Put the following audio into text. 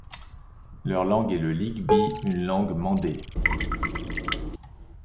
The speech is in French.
Leur langue est le ligbi, une langue mandée.